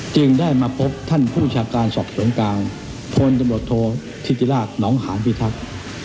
จึงได้มาพบท่านผู้ชาการสภพกลางพลจมตโธทิติรากน้องหาวิทักษ์